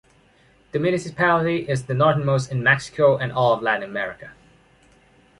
The municipality is the northernmost in Mexico and all of Latin America.